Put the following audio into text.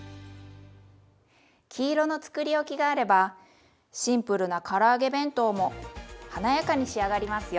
黄色のつくりおきがあればシンプルなから揚げ弁当も華やかに仕上がりますよ。